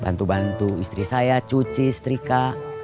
bantu bantu istri saya cuci setrika